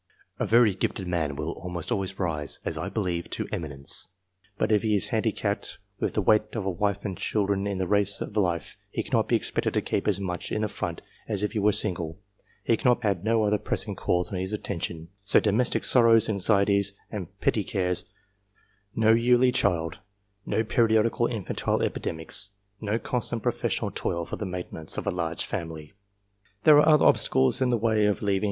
A very gifted man will almost always rise, as I believe, to eminence; but if he is handicapped with the weight of a wife and children in the race of life, he cannot be expected to keep as much in the front as if he were single. He cannot pursue his favourite subject of study with the same absorbing passion as if he had no other pressing calls on his attention, no domestic sorrows, anxieties, and petty cares, no yearly child, no periodical infantine epidemics, no constant professional toil for the maintenance of a large family. There are other obstacles in the way of leaving